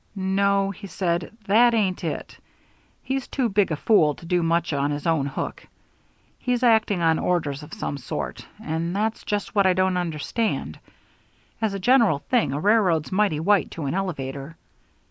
"No," he said, "that ain't it. He's too big a fool to do much on his own hook. He's acting on orders of some sort, and that's just what I don't understand. As a general thing a railroad's mighty white to an elevator.